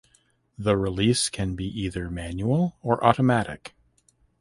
The release can be either manual or automatic.